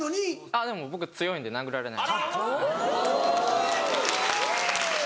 あっでも僕強いんで殴られない。